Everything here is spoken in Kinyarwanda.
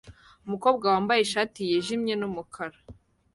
Umukobwa wambaye ishati yijimye n'umukara